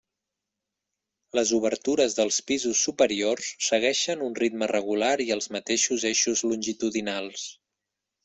Les obertures dels pisos superiors segueixen un ritme regular i els mateixos eixos longitudinals.